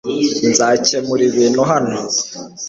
Nzakemura ibintu hano .